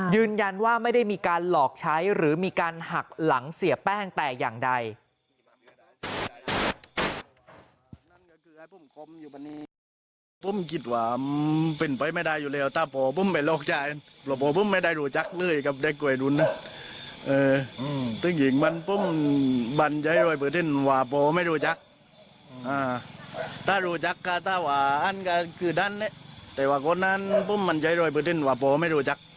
ยืนยันว่าไม่ได้มีการหลอกใช้หรือมีการหักหลังเสียแป้งแต่อย่างใด